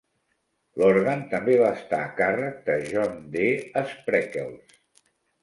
L'òrgan també va estar a càrrec de John D. Spreckels.